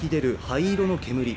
灰色の煙。